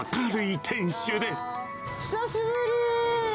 久しぶりー！